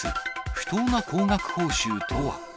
不当な高額報酬とは。